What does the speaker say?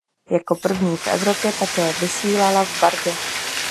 Jako první v Evropě také vysílala v barvě.